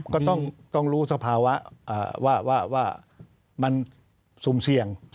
ก็ต้องรู้สภาวะว่ามันสุ่มเสี่ยง